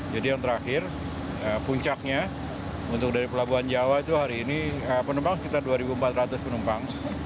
jadi yang terakhir puncaknya untuk dari pelabuhan jawa itu hari ini penumpang sekitar dua empat ratus penumpang